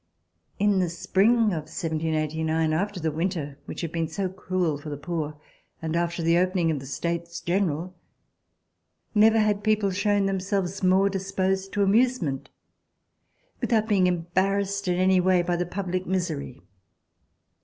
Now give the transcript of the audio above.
In the spring of 1789, after the winter which had been so cruel for the poor, and after the opening of the States General, never had people shown them selves more disposed to amusement, without being embarrassed in any way by the public misery.